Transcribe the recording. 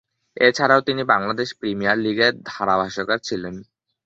এছাড়াও তিনি বাংলাদেশ প্রিমিয়ার লীগে ধারাভাষ্যকার ছিলেন।